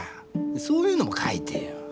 そういうのも書いてよ。